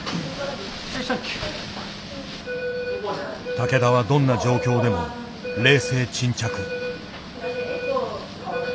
竹田はどんな状況でも冷静沈着。